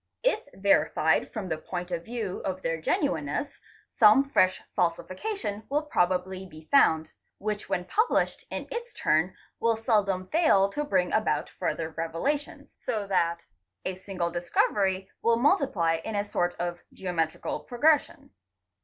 If verified from the point of view of their genuineness some fresh falsification will probably be found, which when published in its turn will seldom fail to bring about further revelations, so that a single discovery will multiply in a sort of geometrical progression.